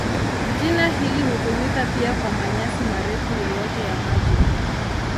Jina hili hutumika pia kwa manyasi marefu yoyote ya maji.